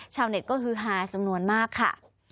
ชาวเน็ตก็คือฮาจำนวนมากค่ะ